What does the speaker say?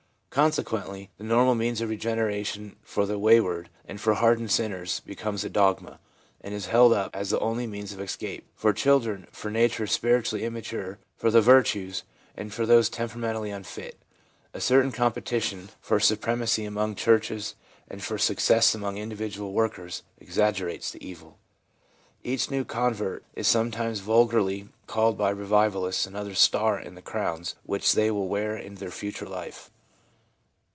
Consequently, the normal means of regeneration for the wayward and for hardened sinners becomes a dogma, and is held up as the only means of escape for children, for natures spiritually immature, for the virtuous, and for those temperamentally unfit. A certain competition for supremacy among churches, and for success among individual workers, exaggerates the evil. Each new convert is sometimes vulgarly called by revivalists another star in the crowns which they will wear in the future life.